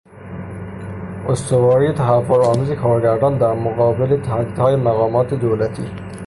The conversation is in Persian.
استواری تهورآمیز کارگران در مقابل تهدیدهای مقامات دولتی